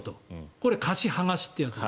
これが貸し剥がしというやつ。